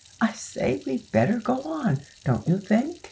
"I say, we'd better go on, don't you think?"